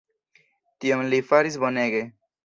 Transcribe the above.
Tion li faras bonege.